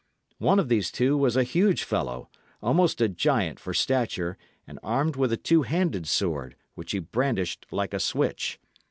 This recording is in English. One of these two was a huge fellow, almost a giant for stature, and armed with a two handed sword, which he brandished like a switch.